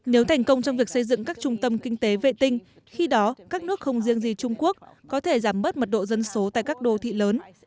nếu thành công trong việc xây dựng các trung tâm kinh tế vệ tinh khi đó các nước không riêng gì trung quốc có thể giảm bớt mật độ dân số tại các đô thị lớn